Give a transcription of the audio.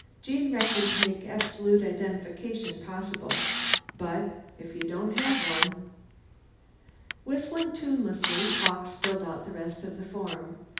Gene records make absolute identification possible. But if you don't have one " Whistling tunelessly, Hawkes filled out the rest of the form.